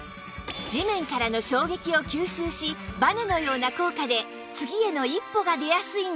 地面からの衝撃を吸収しバネのような効果で次への一歩が出やすいんです